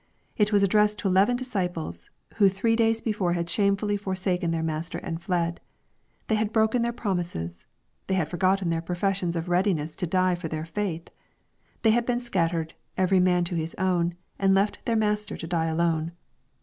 It was addressed to eleven disciples, who three days before had shamefully forsaken their Master and fled. They had broken their promises. They had forgotten their professions of readiness to die for their faith. They had been scattered, ^^ every man to his own," and left their Master to die alone.